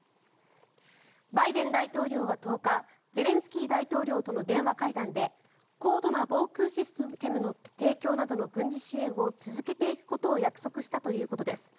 バイデン大統領は１０日ゼレンスキー大統領との電話会談で高度な防空システムの提供などの軍事支援を続けていくことを約束したということです。